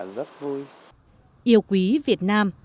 tôi rất yêu quý việt nam